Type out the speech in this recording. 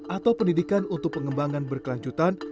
atau pendidikan untuk pengembangan berkelanjutan